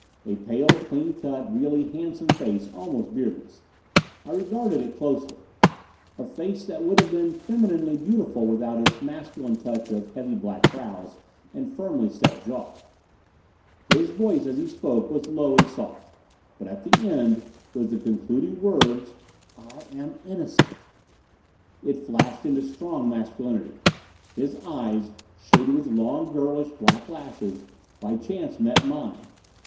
A pale, clean cut, really handsome face, almost beardless. I regarded it closely. A face that would have been femininely beautiful without its masculine touch of heavy black brows and firmly set jaw. His voice as he spoke was low and soft; but at the end, with the concluding words, "I am innocent!" it flashed into strong masculinity. His eyes, shaded with long, girlish black lashes, by chance met mine.